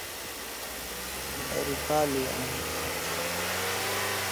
erikali ya nchini imesema kuna wasiwasi wa kuongezeka kwa idadi ya vifo vilivyotokana